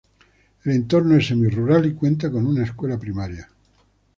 El entorno es semi rural y cuenta con una escuela primaria.